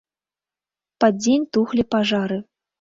Пад дзень тухлі пажары.